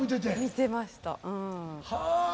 見てましたうん。